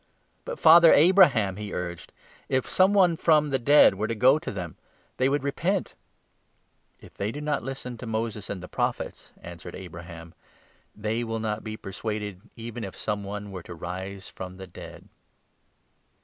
'But, Father Abraham,' he urged, 'if some one from the 30 dead were to go to them, they would repent.' ' If they do not listen to Moses and the Prophets,' answered 31 Abraham, ' they will not be persuaded, even if some one were to rise from the dead.'